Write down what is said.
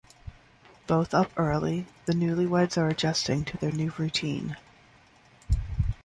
Both up early, the newlyweds are adjusting to their new routine.